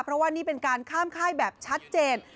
เพราะว่านี่เป็นการข้ามค่ายแบบชัดเจน